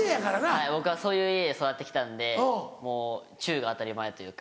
はい僕はそういう家で育って来たんでもうチュが当たり前というか。